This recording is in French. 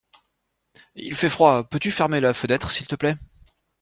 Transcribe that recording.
Il fait froid, peux-tu fermer la fenêtre s'il te plaît?